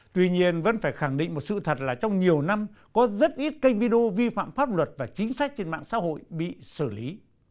tuy nhiên vẫn phải khẳng định một sự thật là trong nhiều năm có rất ít kênh video vi phạm pháp luật và chính sách trên mạng xã hội bị xử lý